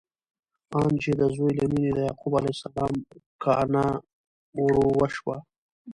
آن چې د زوی له مینې د یعقوب علیه السلام کانه وروشوه!